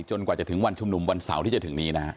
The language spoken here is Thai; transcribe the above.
กว่าจะถึงวันชุมนุมวันเสาร์ที่จะถึงนี้นะฮะ